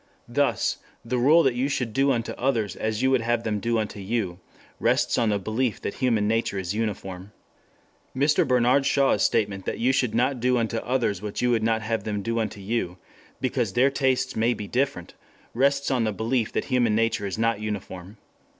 Thus the rule that you should do unto others as you would have them do unto you rests on the belief that human nature is uniform. Mr. Bernard Shaw's statement that you should not do unto others what you would have them do unto you, because their tastes may be different, rests on the belief that human nature is not uniform.